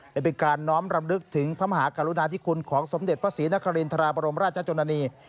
และเป็นการน้อมรำลึกถึงพระมหากรุณาธิคุณของสมเด็จพระศรีนครินทราบรมราชจนนี